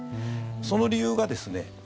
その理由がですね